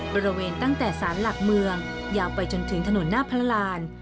บริเวณตั้งแต่สารหลักเมืองยาวไปจนถึงถนนหน้าพระราน